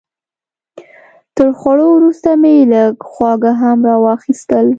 تر خوړو وروسته مې لږ خواږه هم راواخیستل.